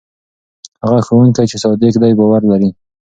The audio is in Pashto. هغه ښوونکی چې صادق دی باور لري.